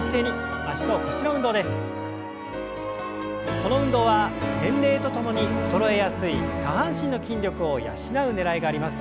この運動は年齢とともに衰えやすい下半身の筋力を養うねらいがあります。